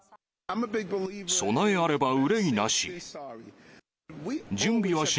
備えあれば憂いなし。